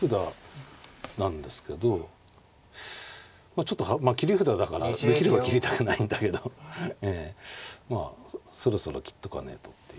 あちょっと切り札だからできれば切りたくないんだけどまあそろそろ切っとかねえとっていう。